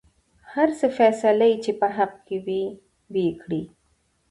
هر څه فيصله يې چې په حق کې کوۍ وېې کړۍ.